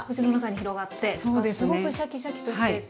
すごくシャキシャキとしていて。